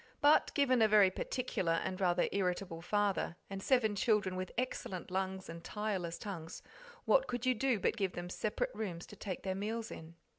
But, given a very particular and rather irritable father, and seven children with excellent lungs and tireless tongues, what could you do but give them separate rooms to take their meals in?